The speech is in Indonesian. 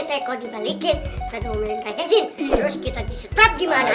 terus kita di strap gimana